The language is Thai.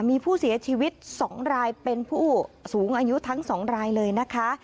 มีผู้เสียชีวิต๒รายเป็นผู้สูงอายุทั้ง๒รายเลยนะคะ